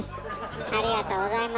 ありがとうございます。